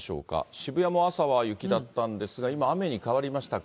渋谷も朝は雪だったんですが、今、雨に変わりましたか。